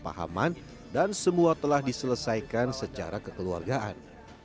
salah pahaman dan semua telah diselesaikan secara kekeluargaan